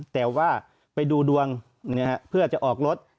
แต่ว่าไปดูดวงเพื่อจะออกรถ